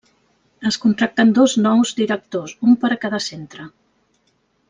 Es contracten dos nous directors, un per a cada centre.